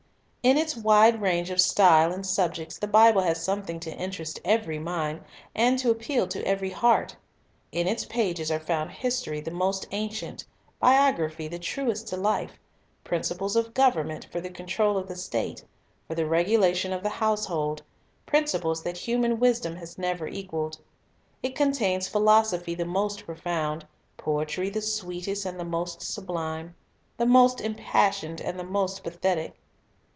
In its wide range of style and subjects, the Bible has something to interest every mind and appeal to every heart. In its pages are found history the most ancient; biography the truest to life; principles of government for the control of the state, for the regulation of the house hold, — principles that human wisdom has never equaled. It contains philosophy the most profound, poetry the sweetest and the most sublime, the most impassioned and the most pathetic.